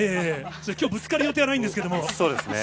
きょう、ぶつかる予定はないそうですね。